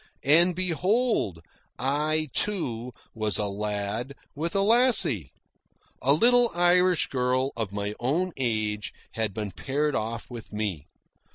And behold, I, too, was a lad with a lassie. A little Irish girl of my own age had been paired off with me.